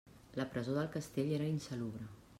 La presó del castell era insalubre.